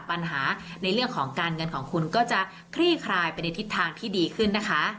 ปัญหาในเรื่องของการเงินของคุณก็จะคลี่คลายไปในทิศทางที่ดีขึ้นนะคะ